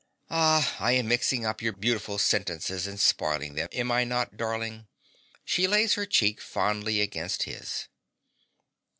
Ah, I am mixing up your beautiful sentences and spoiling them, am I not, darling? (She lays her cheek fondly against his.)